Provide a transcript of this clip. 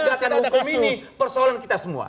masalah penegakan hukum ini persoalan kita semua